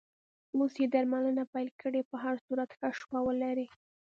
اوس یې درملنه پیل کړې، په هر صورت ښه شپه ولرې.